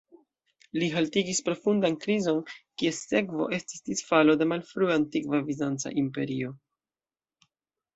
Li haltigis profundan krizon, kies sekvo estis disfalo de malfrue antikva bizanca imperio.